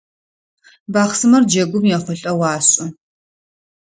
Бахъсымэр джэгум ехъулӏэу ашӏы.